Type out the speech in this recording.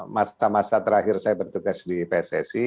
masa masa terakhir saya bertugas di pssi